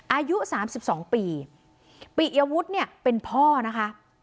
อายุ๓๒ปีปิยวุฒิเนี่ยเป็นพ่อนะคะ